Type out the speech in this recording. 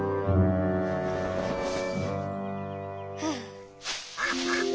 はあ。